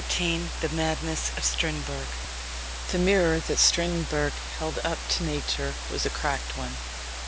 XIII THE MADNESS OF STRINDBERG The mirror that Strindberg held up to Nature was a cracked one.